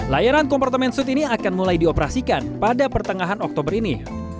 layanan kompartemen suit ini akan mulai dioperasikan pada pertengahan oktober ini